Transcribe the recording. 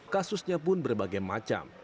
kasusnya pun berbagai macam